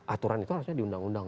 aturan itu harusnya diundang undang